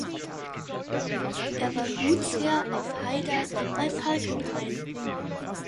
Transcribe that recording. Er war Gutsherr auf Heyda bei Falkenhain.